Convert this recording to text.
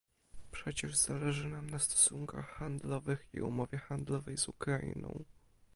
Przecież zależy nam na stosunkach handlowych i umowie handlowej z Ukrainą